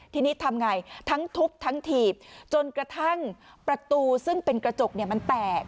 ทีนี้ทำไงทั้งทุบทั้งถีบจนกระทั่งประตูซึ่งเป็นกระจกเนี่ยมันแตก